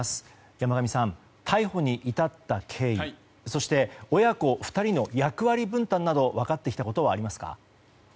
山上さん、逮捕に至った経緯そして親子２人の役割分担など分かってきたことはありますか？